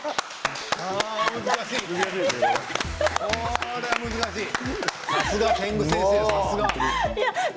これは難しい。